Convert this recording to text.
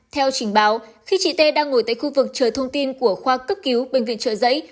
theo trình báo khi chị tê đang ngồi tại khu vực chờ thông tin của khoa cấp cứu bệnh viện trợ giấy